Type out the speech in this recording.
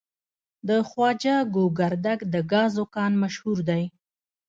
د خواجه ګوګردک د ګازو کان مشهور دی.